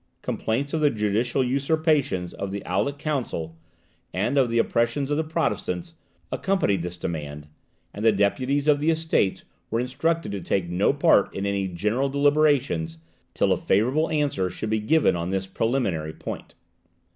Complaints of the judicial usurpations of the Aulic Council, and of the oppression of the Protestants, accompanied this demand, and the deputies of the Estates were instructed to take no part in any general deliberations till a favourable answer should be given on this preliminary point.